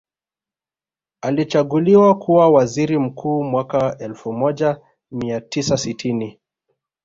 Alichaguliwa kuwa waziri mkuu mwaka elfu moja mia tisa sitini